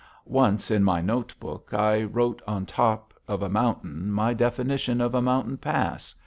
Once, in my notebook, I wrote on top of a mountain my definition of a mountain pass.